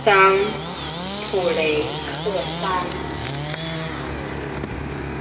普雷克桑。